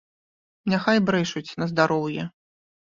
Няхай брэшуць на здароўе.